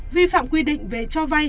vi phạm quy định về cho vay